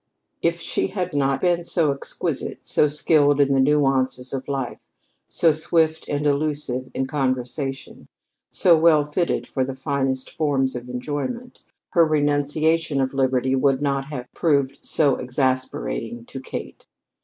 If she had not been so exquisite, so skilled in the nuances of life, so swift and elusive in conversation, so well fitted for the finest forms of enjoyment, her renunciation of liberty would not have proved so exasperating to Kate.